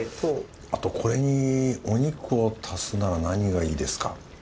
あとこれにお肉を足すなら何がいいですか？